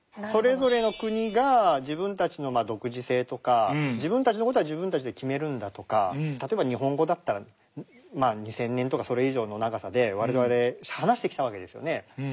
それぞれの国が自分たちの独自性とか自分たちの事は自分たちで決めるんだとか例えば日本語だったら２，０００年とかそれ以上の長さで我々話してきたわけですよね。